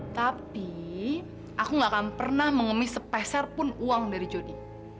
tapi aku gak akan pernah mengemis sepeserpun uang dari jody